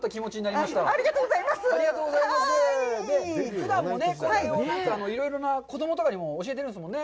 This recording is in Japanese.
ふだんもこれをいろいろな子供とかにも教えてるんですもんね？